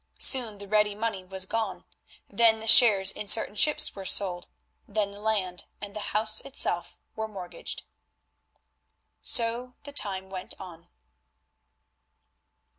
Soon the ready money was gone, then the shares in certain ships were sold, then the land and the house itself were mortgaged. So the time went on.